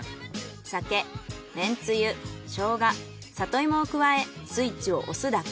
酒めんつゆ生姜里芋を加えスイッチを押すだけ。